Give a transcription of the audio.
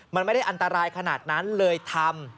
มันไม่ได้อันตรายขนาดนั้นเลยทำ